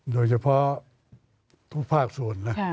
โดยเฉพาะทุกภาคส่วนนะ